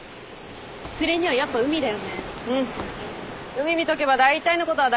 海見とけばだいたいのことは大丈夫。